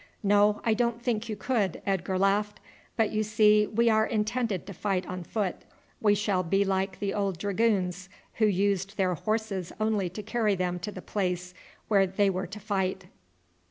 "No, I don't think you could," Edgar laughed. "But, you see, we are intended to fight on foot. We shall be like the old dragoons, who used their horses only to carry them to the place where they were to fight."